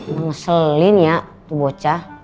huh ngeselin ya bu bocah